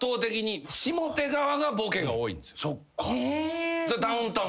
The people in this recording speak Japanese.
そっか。